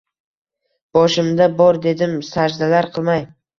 Boshimda bor dedim sajdalar qilmay